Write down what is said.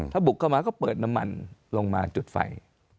ถ้าบุกเข้ามาก็เปิดน้ำมันลงมาจุดไฟ